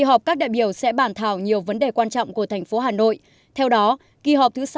họp các đại biểu sẽ bàn thảo nhiều vấn đề quan trọng của thành phố hà nội theo đó kỳ họp thứ